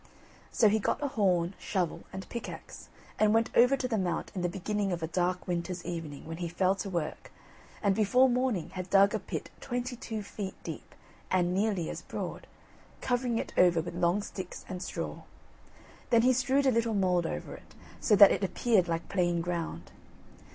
So he got a horn, shovel, and pickaxe, and went over to the Mount in the beginning of a dark winter's evening, when he fell to work, and before morning had dug a pit twenty two feet deep, and nearly as broad, covering it over with long sticks and straw. Then he strewed a little mould over it, so that it appeared like plain ground.